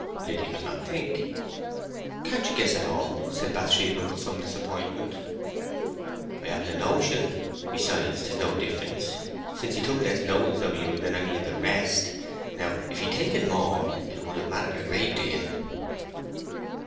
Liddy couldn't think. "Can't you guess at all?" said Bathsheba with some disappointment. "I haven't a notion; besides, 'tis no difference, since he took less notice of you than any of the rest. Now, if he'd taken more, it would have mattered a great deal."